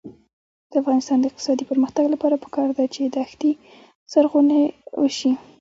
د افغانستان د اقتصادي پرمختګ لپاره پکار ده چې دښتي زرغونې شي.